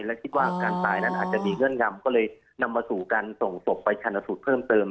และคิดว่าการตายนั้นอาจจะมีเงื่อนงำก็เลยนำมาสู่การส่งศพไปชันสูตรเพิ่มเติม